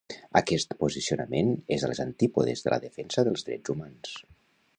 Aquest posicionament és a les antípodes de la defensa dels drets humans.